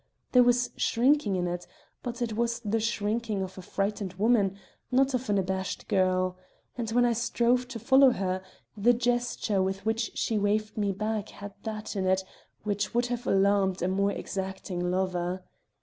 There was shrinking in it, but it was the shrinking of a frightened woman, not of an abashed girl; and when I strove to follow her, the gesture with which she waved me back had that in it which would have alarmed a more exacting lover.